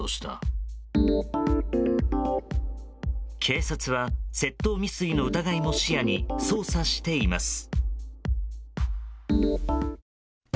警察は窃盗未遂の疑いも視野に捜査しています。